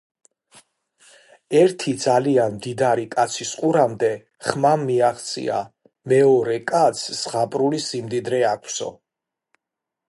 ერთი ძალიან მდიდარი კაცის ყურამდე ხმამ მიაღწია, მეორე კაცს ზღაპრული სიმდიდრე აქვსო